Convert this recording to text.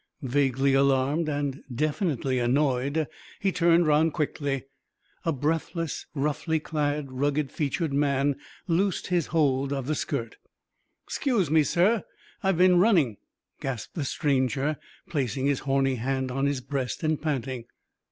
Vaguely alarmed and definitely annoyed, he turned round quickly. A breathless, roughly clad, rugged featured man loosed his hold of the skirt. "'Scuse me, sir I've been running," gasped the stranger, placing his horny hand on his breast and panting.